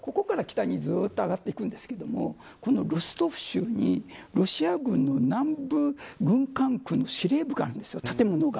ここから北にずっと上がっていくんですけどこのロストフ州に、ロシア軍の南部軍管区の司令部があるんです、建物が。